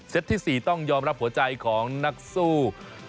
ที่๔ต้องยอมรับหัวใจของนักสู้